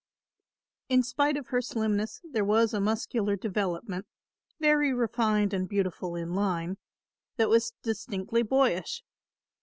In spite of her slimness there was a muscular development, very refined and beautiful in line, that was distinctly boyish.